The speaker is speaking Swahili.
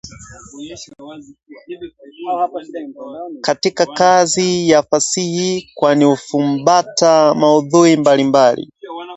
katika kazi ya fasihi kwani hufumbata maudhui mbalimbali